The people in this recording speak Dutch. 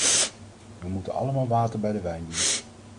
We moeten allemaal water bij de wijn doen.